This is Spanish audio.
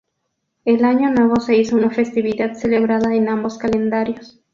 El año nuevo se hizo una festividad celebrada en ambos calendarios.